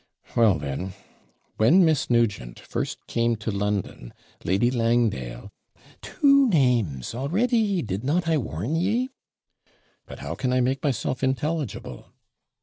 'Well, then, when Miss Nugent first came to London, Lady Langdale ' 'Two names already did not I warn ye?' 'But how can I make myself intelligible?'